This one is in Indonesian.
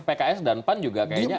pks dan pan kayaknya adem adem aja